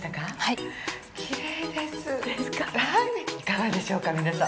いかがでしょうか皆さん。